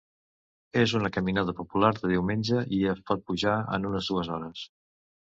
És una caminada popular de diumenge i es pot pujar en unes dues hores.